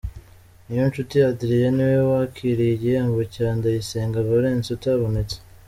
Niyonshuti Adrien niwe wakiriye igihembo cya Ndayisenga Valens utabonetse.